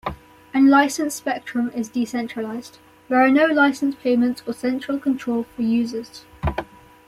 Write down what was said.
Unlicensed spectrum is decentralized: there are no license payments or central control for users.